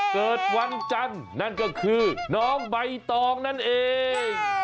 เกิดวันจันทร์นั่นก็คือน้องใบตองนั่นเอง